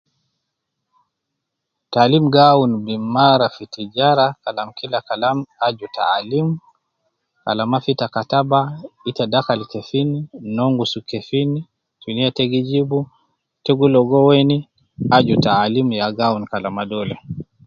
Taalim gi awun bimara fi tijara Kalam kila Kalam aju taalim, kalama fi te kataba, ita dakal kefin ,ita nongus kefin, sunu ya te gi jibu, ta gi ligo wen, aju taalim ya gi awun fi kalama dole